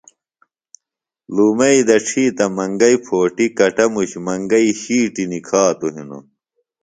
لُومئی دڇھی تہ منگئیۡ پھوٹیۡ کٹموش منگئیۡ شِیٹیۡ نکھاتوۡ ہنوۡ